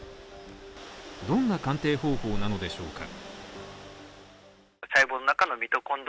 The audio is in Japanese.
どんな鑑定方法なのでしょうか？